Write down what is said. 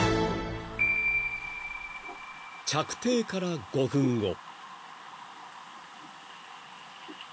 ［着底から５分後］